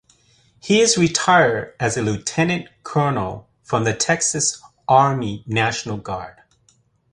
He is retired as a Lieutenant Colonel from the Texas Army National Guard.